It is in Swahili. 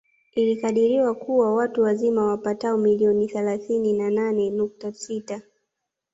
Ilikadiriwa kuwa watu wazima wapato milioni thalathini na nane nukta sita